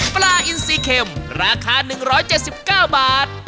ปลาอินซีเข็มราคา๑๗๙บาท